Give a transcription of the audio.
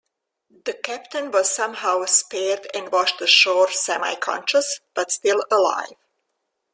The Captain was somehow spared and washed ashore semi-conscious, but still alive.